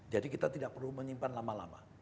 jadi kita tidak perlu menyimpan lama lama